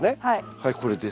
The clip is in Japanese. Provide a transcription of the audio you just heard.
はいこれです。